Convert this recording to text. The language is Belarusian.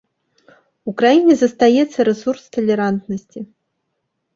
У краіне застаецца рэсурс талерантнасці.